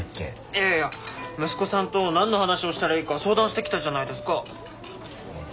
いやいや息子さんと何の話をしたらいいか相談してきたじゃないですか。